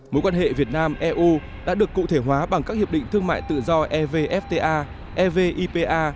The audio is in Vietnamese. mối quan hệ việt nam eu đã được cụ thể hóa bằng các hiệp định thương mại tự do evfta evipa